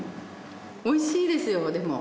おいしいですよでも。